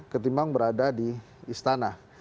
ketimbang berada di istana